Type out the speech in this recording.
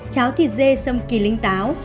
cháo thịt dê xâm kỳ lính táo